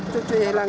cucu itu di belakang